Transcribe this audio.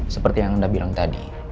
seperti yang anda bilang tadi